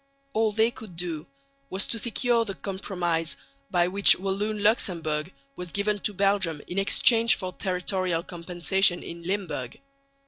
All they could do was to secure the compromise by which Walloon Luxemburg was given to Belgium in exchange for territorial compensation in Limburg.